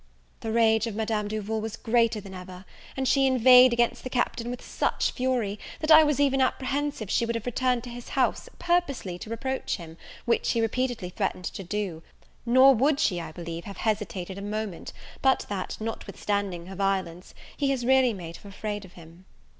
The rage of Madame Duval was greater than ever; and she inveighed against the Captain with such fury, that I was even apprehensive she would have returned to his house, purposely to reproach him, which she repeatedly threatened to do; nor would she, I believe, have hesitated a moment, but that, notwithstanding her violence, he has really made her afraid of him.